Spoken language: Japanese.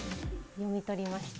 読み取りました。